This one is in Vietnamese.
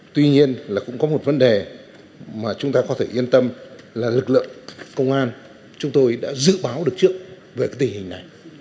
tuy nhiên là cũng có một vấn đề mà chúng ta có thể yên tâm là lực lượng công an chúng tôi đã dự báo được trước về cái tình hình này